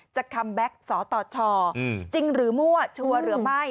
คัมแบ็คสตชจริงหรือมั่วชัวร์หรือไม่